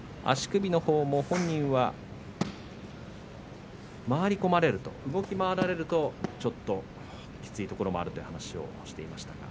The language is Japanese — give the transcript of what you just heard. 足首のほうは本人は回り込まれると動き回られるとちょっときついところもあるという話をしていました。